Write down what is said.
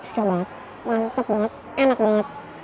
susah banget mantep banget enak banget